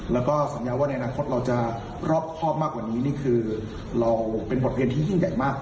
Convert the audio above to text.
แล้วก็สัญญาว่าในอนาคตเราจะรอบครอบมากกว่านี้นี่คือเราเป็นบทเรียนที่ยิ่งใหญ่มาก